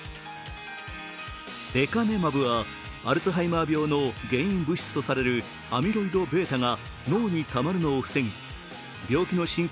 レカネマブはアルツハイマー病の原因物質とされるアミロイドβが脳にたまるのを防ぎ、病気の進行